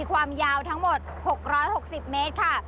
ความยาวทั้งหมด๖๖๐เมตรค่ะ